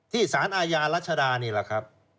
สารอาญารัชดานี่แหละครับ